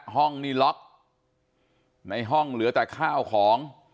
ห้องนี่ล็อกในห้องเหลือแต่ข้าวของ